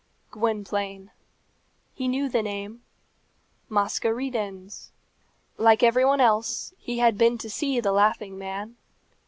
Gwynplaine! He knew the name. Masca ridens. Like every one else, he had been to see the Laughing Man.